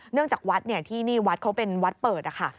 จากวัดที่นี่วัดเขาเป็นวัดเปิดนะคะ